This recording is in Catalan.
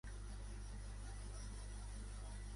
La paraula jiddisch "ruglach" probablement va ser primera.